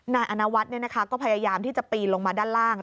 นายอนวัฒน์ก็พยายามที่จะปีนลงมาด้านล่าง